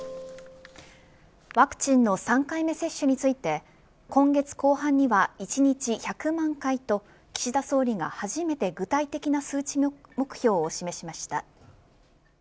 ワクチンの３回目接種について今月後半には１日１００万回と岸田総理が初めて具体的な数値目標を示しました。